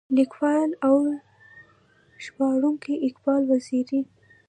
ليکوال او ژباړونکی اقبال وزيري.